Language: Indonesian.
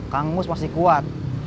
kang mus masih kuat